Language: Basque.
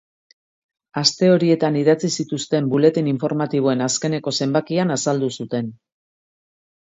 Aste horietan idatzi zituzten buletin informatiboen azkeneko zenbakian azaldu zuten.